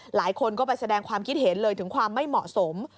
หลายคนก็ไปแสดงความคิดเห็นเลยถึงความไม่เหมาะสม